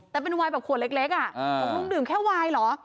แต่เป็นวายแบบขวดเล็กอ่ะบอกลุงดื่มแค่วายเหรอ